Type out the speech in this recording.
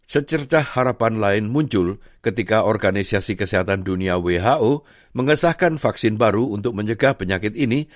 secerca harapan lain muncul ketika organisasi kesehatan dunia who mengesahkan vaksin baru untuk mencegah penyakit ini